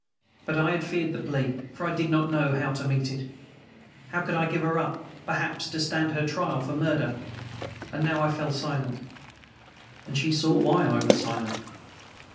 But I had feared the plea, for I did not know how to meet it. How could I give her up, perhaps to stand her trial for murder? And now I fell silent, and she saw why I was silent.